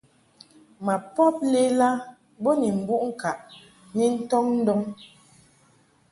Ma pob lela bo ni mbuʼ ŋkaʼ ni ntɔŋ ndɔŋ.